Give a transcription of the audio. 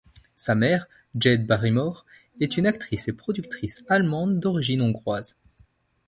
Sa mère, Jaid Barrymore, est une actrice et productrice allemande d'origine hongroise.